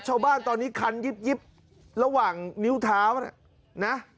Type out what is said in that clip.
ชาวบ้านตอนนี้คันยิบระหว่างนิ้วเท้านะ